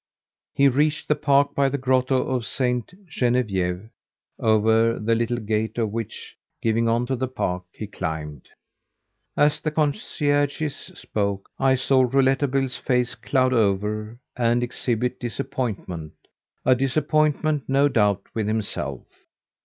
He reached the park by the grotto of Sainte Genevieve, over the little gate of which, giving on to the park, he climbed. As the concierges spoke, I saw Rouletabille's face cloud over and exhibit disappointment a disappointment, no doubt, with himself.